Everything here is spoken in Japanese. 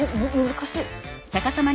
難しい！